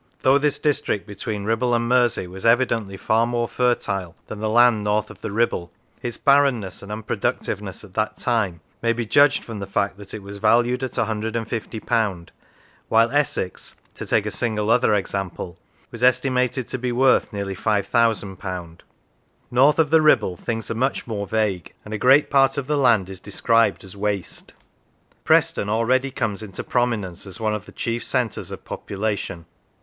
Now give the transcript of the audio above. Though this district between Kibble and Mersey was evidently far more fertile than the land north of the Kibble, its barrenness and unproductiveness at that time may be judged from the fact that it was valued at 150, while Essex, to take a single other example, was estimated to be worth nearly ^5,000. North of the Kibble things are much more vague, and a great part of the land is described as " waste." Preston already comes into prominence as one of the chief centres of population.